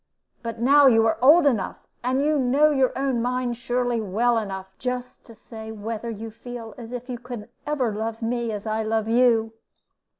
But now you are old enough, and you know your own mind surely well enough, just to say whether you feel as if you could ever love me as I love you."